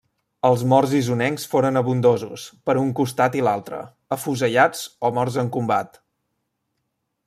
Els morts isonencs foren abundosos, per un costat i l'altre, afusellats o morts en combat.